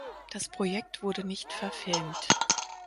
Das Projekt wurde nicht verfilmt.